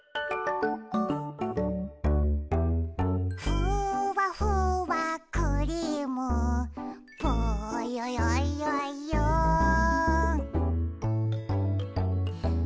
「ふわふわクリームぽよよよよん」